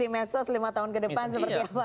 di medsos lima tahun ke depan seperti apa